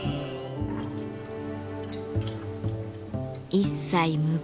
一切無言。